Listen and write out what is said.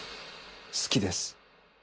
好きです。